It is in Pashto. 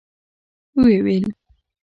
و يې ويل.